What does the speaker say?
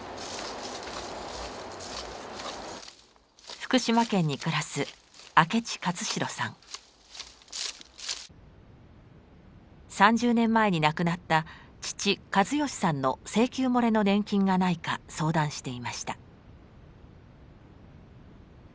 福島県に暮らす３０年前に亡くなった父・計義さんの請求もれの年金がないか相談していました。